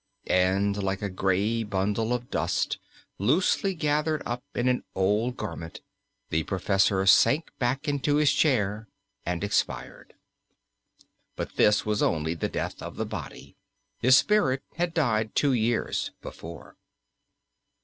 And like a grey bundle of dust loosely gathered up in an old garment the professor sank back into his chair and expired. But this was only the death of the body. His spirit had died two years before.